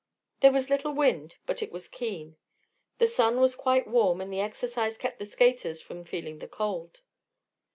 There was little wind, but it was keen; the sun was quite warm and the exercise kept the skaters from feeling the cold.